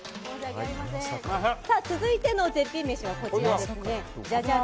続いての絶品飯はこちら。